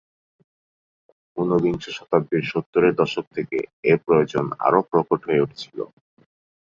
ঊনবিংশ শতাব্দীর সত্তরের দশক থেকে এ প্রয়োজন আরও প্রকট হয়ে উঠেছিল।